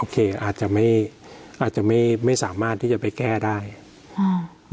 อาจจะไม่อาจจะไม่ไม่สามารถที่จะไปแก้ได้อ่า